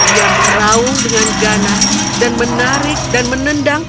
yang meraung dengan ganas dan menarik dan menendang